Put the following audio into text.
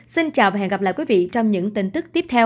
xin chào và hẹn gặp lại quý vị trong những tin tức tiếp theo